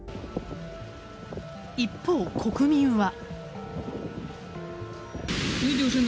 一方、国民は。